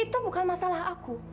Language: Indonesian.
itu bukan masalah aku